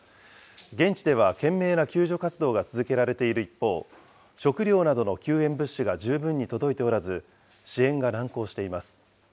現地では懸命な救助活動が続けられている一方、食料などの救援物資が十分に届いておらず、支援が難航しています。